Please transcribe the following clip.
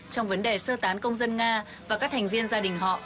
trong vấn đề sơ tán công dân nga và các thành viên gia đình họ